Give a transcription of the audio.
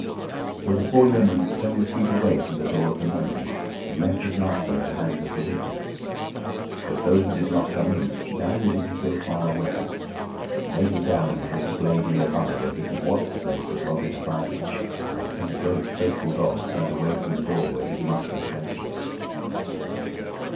So the poor yeoman turned his feet away from the door of the nunnery, and left his master in the hands of the women. But, though he did not come in, neither did he go far away; for he laid him down in a little glade near by, where he could watch the place that Robin abided, like some great, faithful dog turned away from the door where his master has entered.